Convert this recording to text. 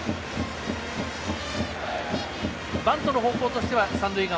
バントの方向としては三塁側。